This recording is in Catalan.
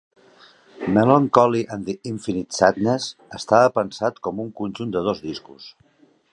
"Mellon Collie and the Infinite Sadness" estava pensat com un conjunt de dos discos.